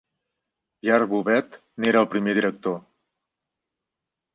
Pierre Bovet n'era el primer director.